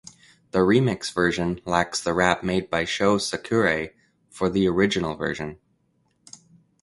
The remix version lacks the rap made by Sho Sakurai for the original version.